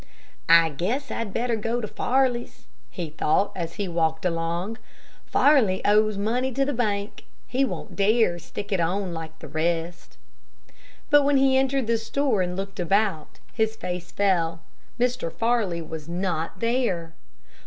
"I guess I'd better go to Farley's," he thought, as he walked along. "Farley owes money to the bank. He won't dare to stick it on like the rest." But when he entered the store and looked about, his face fell. Mr. Farley was not there!